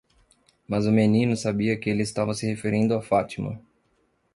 Mas o menino sabia que ele estava se referindo a Fátima.